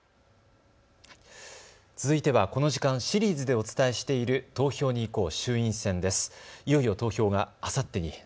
続いてはこの時間シリーズでお伝えしている投票に行こう！